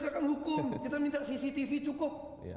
kita minta cctv cukup